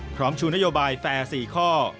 พร้อมชูนโยบายแฟร์๔ข้อ